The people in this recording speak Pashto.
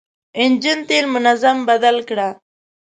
انجن تېل منظم بدل کړه.